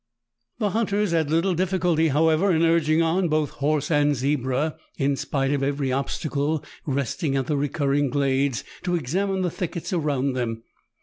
The hunters had little difficulty, however, in urging on both horse and zebra, in spite of every obstacle, resting at the recurring glades to examine the thickets around them.